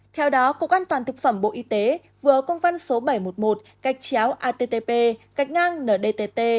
theo đó cục an toàn thực phẩm bộ y tế vừa công văn số bảy trăm một mươi một gạch chéo attp gạch ngang ndtt